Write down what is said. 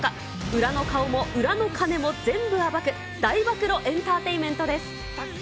裏の顔も、裏の金も全部暴く、大暴露エンターテインメントです。